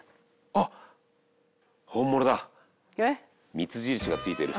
光印が付いてる。